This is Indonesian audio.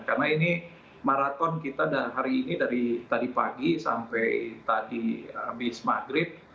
karena ini maraton kita hari ini dari tadi pagi sampai tadi abis maghrib